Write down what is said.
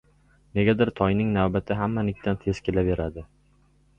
Negadir Toyning navbati hammanikidan tez kelaverardi.